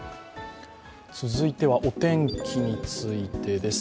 続いてはお天気についてです。